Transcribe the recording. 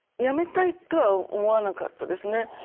やめたいとは思わなかったですね。